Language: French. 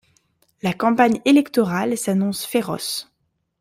La campagne électorale s'annonce féroce.